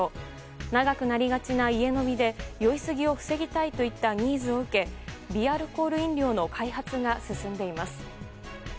長くなりがちな家飲みで酔いすぎを防ぎたいといったニーズを受け微アルコール飲料の開発が進んでいます。